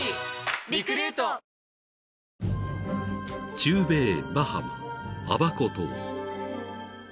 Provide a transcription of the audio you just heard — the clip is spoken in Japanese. ［中米バハマアバコ島］